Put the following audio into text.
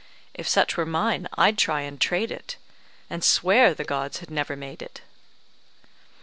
If such were mine, I'd try and trade it, And swear the gods had never made it."